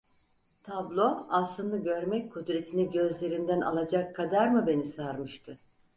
Tablo, aslını görmek kudretini gözlerimden alacak kadar mı beni sarmıştı?